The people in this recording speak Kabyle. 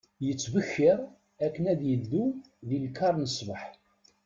Yettbekkir akken ad iddu deg lkar n sbeḥ.